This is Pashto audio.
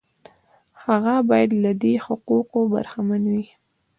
هغه باید له دې حقوقو برخمن وي.